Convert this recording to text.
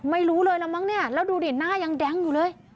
ไม่รู้เลยแล้วมั้งเนี่ยแล้วดูดิหน้ายังแดงอยู่เลย